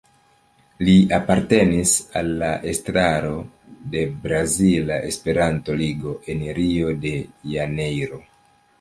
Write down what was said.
Li apartenis al la estraro de Brazila Esperanto-Ligo, en Rio de Janeiro.